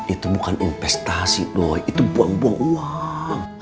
itu bukan investasi loh itu buang buang uang